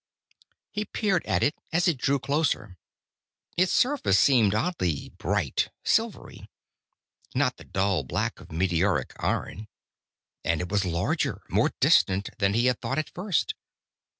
He peered at it, as it drew closer. Its surface seemed oddly bright, silvery. Not the dull black of meteoric iron. And it was larger, more distant, than he had thought at first.